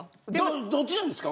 どどっちなんですか？